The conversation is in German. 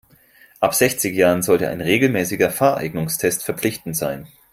Ab sechzig Jahren sollte ein regelmäßiger Fahreignungstest verpflichtend sein.